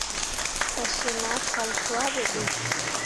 Fasyen ah kal suah ɓe be.